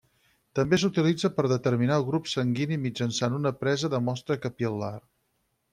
També s'utilitza per determinar el grup sanguini mitjançant una presa de mostra capil·lar.